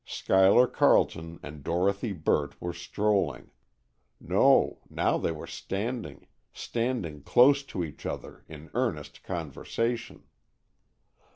Schuyler Carleton and Dorothy Burt were strolling,—no, now they were standing, standing close to each other in earnest conversation.